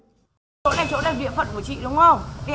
chỗ này là địa phận của chị đúng không